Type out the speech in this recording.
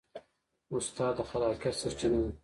استاد د خلاقیت سرچینه ده.